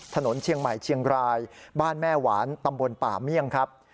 ถนนเชียงใหม่เชียงรายบ้านแม่หวานตำบลป่าเมี่ยงครับ